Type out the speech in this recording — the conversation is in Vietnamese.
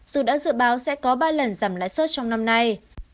dù đã dự báo sẽ có ba lần giảm lãi suất trong năm nay